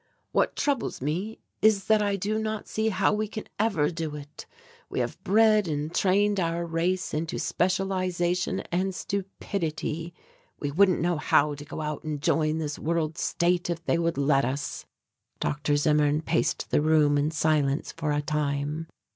"What troubles me is that I do not see how we can ever do it. We have bred and trained our race into specialization and stupidity. We wouldn't know how to go out and join this World State if they would let us." Dr. Zimmern paced the room in silence for a time.